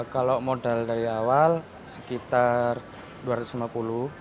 kalau modal dari awal sekitar rp dua ratus lima puluh